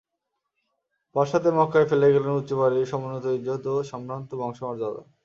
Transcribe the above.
পশ্চাতে মক্কায় ফেলে গেলেন উঁচু বাড়ি, সমুন্নত ইজ্জত ও সভ্রান্ত বংশ-মর্যাদা।